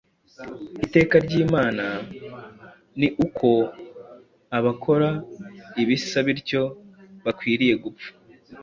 Iteka ry’Imana ni uko abakora ibisa bityo bakwiriye gupfa